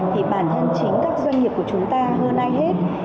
thì bản thân chính các doanh nghiệp của chúng ta hơn ai hết